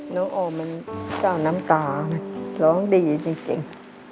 น้องออมมันเจ้าน้ำตามันร้องดีจริง